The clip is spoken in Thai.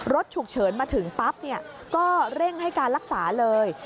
รถฉุกเฉินมาถึงปั๊บก็เร่งให้การรักษาเลย